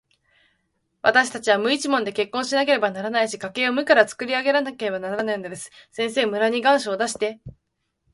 わたしたちは無一文で結婚しなければならないし、家計を無からつくり上げなければならないのです。先生、村に願書を出して、